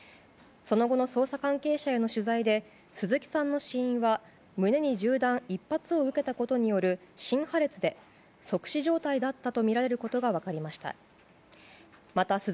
その後の捜査関係者への取材で鈴木さんの死因は胸に銃弾１発を受けたことによる心破裂で即死状態だったとみられることが分かりました。